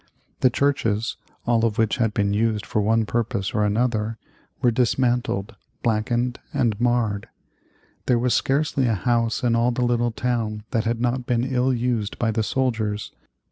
The churches, all of which had been used for one purpose or another, were dismantled, blackened, and marred. There was scarcely a house in all the little town that had not been ill used by the soldiers.